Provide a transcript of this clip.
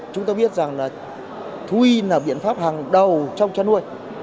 chúng ta biết rằng là thú y là biện pháp hàng đầu trong chăn nuôi